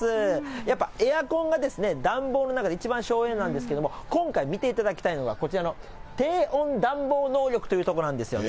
やっぱエアコンがですね、暖房の中で一番省エネなんですが、今回、見ていただきたいのが、こちらの低温暖房能力というところなんですよね。